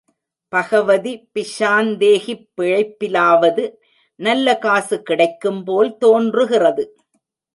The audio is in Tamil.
பகவதி பிஷாந்தேஹிப் பிழைப்பிலாவது நல்ல காசு கிடைக்கும் போல் தோன்றுகிறது.